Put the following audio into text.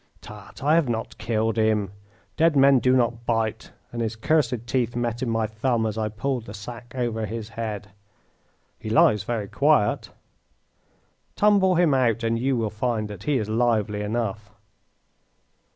"Tut! I have not killed him. Dead men do not bite, and his cursed teeth met in my thumb as I pulled the sack over his head." "He lies very quiet." "Tumble him out and you will find that he is lively enough."